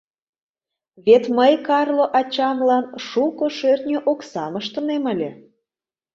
— Вет мый Карло ачамлан шуко шӧртньӧ оксам ыштынем ыле...